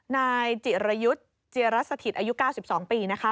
นายจิรยุทธ์เจียรสถิตอายุ๙๒ปีนะคะ